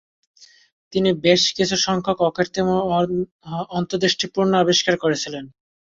তিনি "বেশ কিছু সংখ্যক অকৃত্রিম ও অন্তদৃষ্টিপূর্ণ আবিষ্কার করেছিলেন।